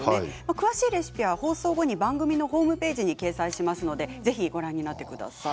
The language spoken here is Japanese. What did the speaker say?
詳しいレシピは放送後に番組のホームページに掲載しますのでぜひご覧になって下さい。